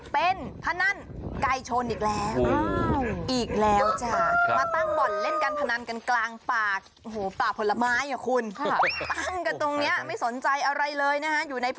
เป็นพนันไก่ชนอีกแล้ว